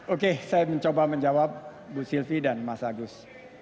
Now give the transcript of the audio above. oke saya mencoba menjawab bu sylvi dan mas agus